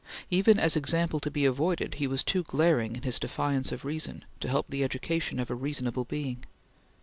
Even as example to be avoided, he was too glaring in his defiance of reason, to help the education of a reasonable being.